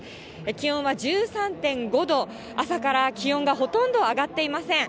気温は１３．５度、朝から気温がほとんど上がっていません。